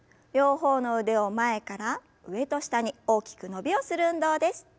両方の腕を前から上と下に大きく伸びをする運動です。